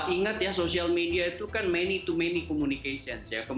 ingat ya sosial media itu kan many to many communication ya